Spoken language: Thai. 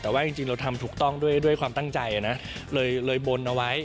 แต่ว่าจริงเราทำถูกต้องด้วยความตั้งใจนะเลยบนเอาไว้